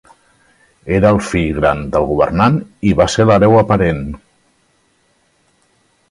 Era el fill gran del governant i va ser l'hereu aparent.